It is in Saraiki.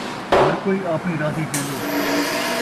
ہر کئی آپݨی رادھی چین٘دے